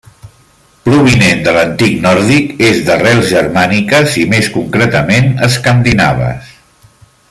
Provinent de l'antic nòrdic, és d'arrels germàniques i més concretament escandinaves.